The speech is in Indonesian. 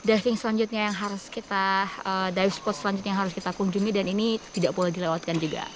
ada diving spot selanjutnya yang harus kita kunjungi dan ini tidak boleh dilewatkan juga